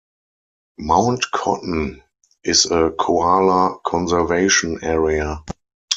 Mount Cotton is a koala conservation area.